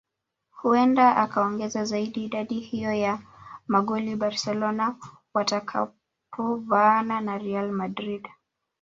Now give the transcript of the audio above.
Huenda akaongeza zaidi idadi hiyo ya magoli Barcelona watakapovaana na Real Madrid